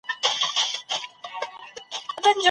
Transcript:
دا پړاو تر نورو اغېزمن دی.